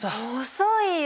遅いよ！